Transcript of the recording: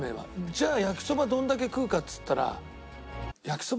じゃあ焼きそばどんだけ食うかっていったら。